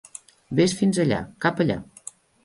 Ves fins allà, cap allà.